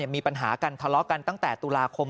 มีปัญหากันทะเลาะกันตั้งแต่ตุลาคม